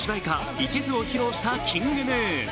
「一途」を披露したＫｉｎｇＧｎｕ。